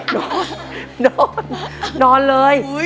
นอนนอนเลย